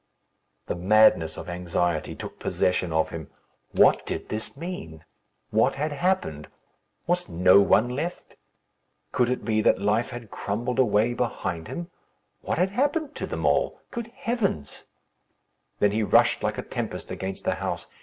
The madness of anxiety took possession of him. What did this mean? What had happened? Was no one left? Could it be that life had crumbled away behind him? What had happened to them all? Good heavens! Then he rushed like a tempest against the house.